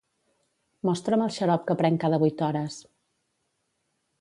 Mostra'm el xarop que prenc cada vuit hores.